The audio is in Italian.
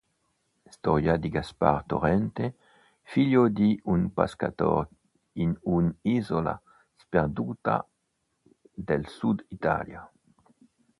Storia di Gaspare Torrente, figlio di un pescatore in un’isola sperduta del sud Italia.